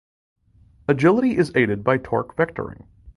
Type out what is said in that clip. Agility is aided by torque vectoring.